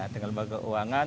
dengan lembaga keuangan